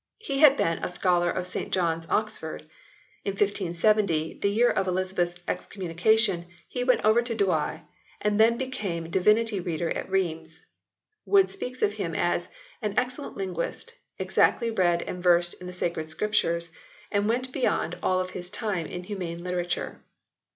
He had been a scholar of St John s, Oxford ; in 1570, the year of Elizabeth s excommunication, he went over to Douai and then became divinity reader at Rheims. Wood speaks of him as " an excellent linguist, exactly read and versed in the Sacred Scriptures and went beyond all of his time in humane literature."